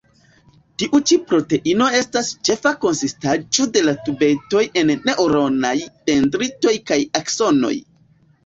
Tiu ĉi proteino estas ĉefa konsistaĵo de la tubetoj en neŭronaj dendritoj kaj aksonoj.